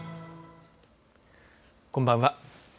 こんばんは。